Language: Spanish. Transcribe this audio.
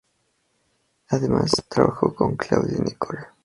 Además, trabajó con Claude Nicole.